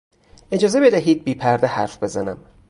اجازه بدهید بی پرده حرف بزنم.